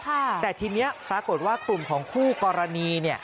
แต่ทีนี้ปรากฏว่ากลุ่มของคู่กรณีเนี่ย